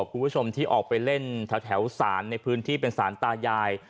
คุณผู้ชมที่ออกไปเล่นแถวสารในพื้นที่เป็นศาลตายาย